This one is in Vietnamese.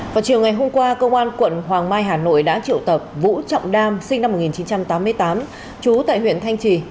vào chiều ngày hôm qua công an quận hoàng mai hà nội đã triệu tập vũ trọng nam sinh năm một nghìn chín trăm tám mươi tám trú tại huyện thanh trì